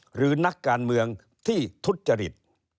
หรือนักการเมืองที่ทุจริต